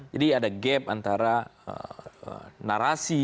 ada gap antara narasi